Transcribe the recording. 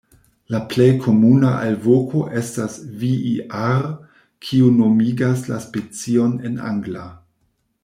La plej komuna alvoko estas "vii-ar", kiu nomigas la specion en angla.